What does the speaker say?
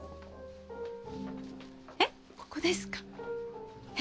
えっここですか？